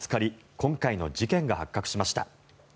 今回の事件が発覚しました。